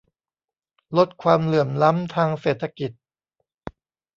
ลดความเหลื่อมล้ำทางเศรษฐกิจ